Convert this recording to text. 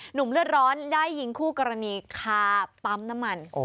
เลือดร้อนได้ยิงคู่กรณีคาปั๊มน้ำมัน